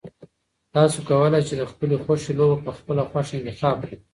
تاسو کولای شئ چې د خپلې خوښې لوبه په خپله خوښه انتخاب کړئ.